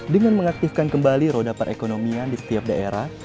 dengan mengaktifkan kembali roda perekonomian di setiap daerah